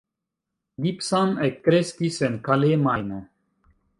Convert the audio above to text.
Gibson ekkreskis en Calais, Majno.